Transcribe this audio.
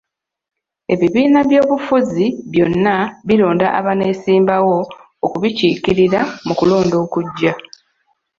Ebibiina by'obufuzi byonna bironda abaneesimbawo okubikiikirira mu kulonda okujja.